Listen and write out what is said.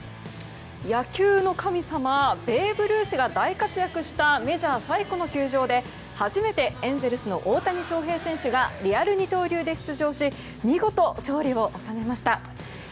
野球の神様ベーブ・ルースが大活躍したメジャー最古の球場で初めてエンゼルスの大谷翔平選手がリアル二刀流で出場し見事、勝利を収めました。